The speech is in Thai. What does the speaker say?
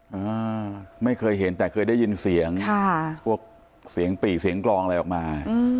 อ่าไม่เคยเห็นแต่เคยได้ยินเสียงค่ะพวกเสียงปี่เสียงกลองอะไรออกมาอืม